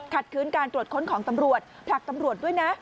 คืนการตรวจค้นของตำรวจผลักตำรวจด้วยนะ